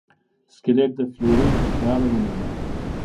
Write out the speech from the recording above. سکلیټ د فلیریک غاړه ونیوه.